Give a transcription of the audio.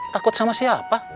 takut sama siapa